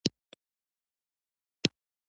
د قانون طرحه پېشنهاد کړي.